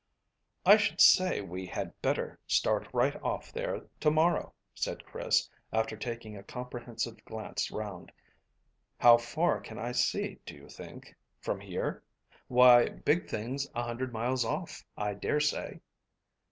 "I should say we had better start right off there to morrow," said Chris, after taking a comprehensive glance round. "How far can I see, do you think?" "From here? Why, big things a hundred miles off, I dare say."